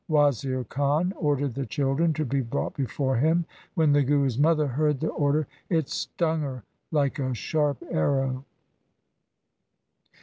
Wazir Khan ordered the children to be brought before him. When the Guru's mother heard the order, it stung her like a sharp arrow.